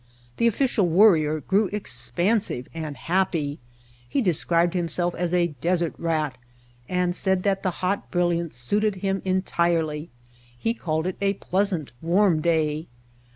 The Official Worrier grew expansive and happy. He de scribed himself as a "desert rat," and said that the hot brilliance suited him entirely. He called it a pleasant, warm day.